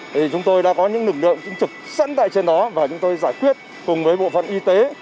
thì chúng tôi đã có những lực lượng trực sẵn tại trên đó và chúng tôi giải quyết cùng với bộ phận y tế